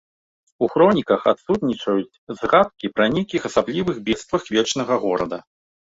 У хроніках адсутнічаюць згадкі пра нейкіх асаблівых бедствах вечнага горада.